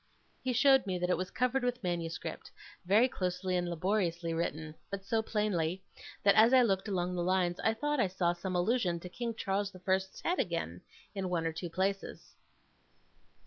He showed me that it was covered with manuscript, very closely and laboriously written; but so plainly, that as I looked along the lines, I thought I saw some allusion to King Charles the First's head again, in one or two places.